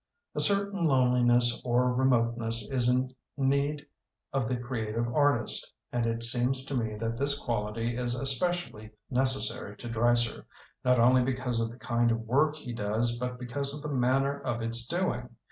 « A certain loneliness or remoteness is a need of the creative artist, and it seems to me that this quality is espe cially necessary to Dreiser, not only because of the kind of work he does but because of the manner of its doing.